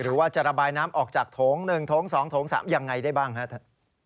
หรือว่าจะระบายน้ำออกจากโถง๑โถง๒โถง๓ยังไงได้บ้างครับท่าน